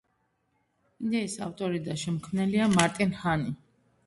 იდეის ავტორი და შემქმნელია მარტინ ჰანი.